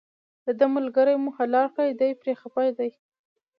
دده ملګری مو حلال کړی دی پرې خپه دی.